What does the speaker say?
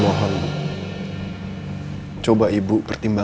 sekarang kamu ikut sama ibu panti ya